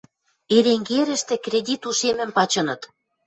Эренгерӹштӹ кредит ушемӹм пачыныт.